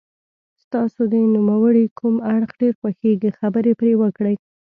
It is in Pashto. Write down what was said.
ستاسو د نوموړي کوم اړخ ډېر خوښیږي خبرې پرې وکړئ.